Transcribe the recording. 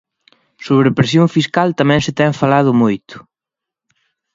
Sobre presión fiscal tamén se ten falado moito.